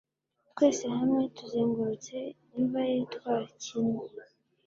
twese hamwe tuzengurutse imva ye twakinnye